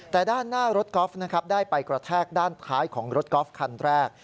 แต่ด้านหน้ารถกอล์ฟนะครับได้ไปกระแทกด้านท้ายของรถกอล์ฟคันแรก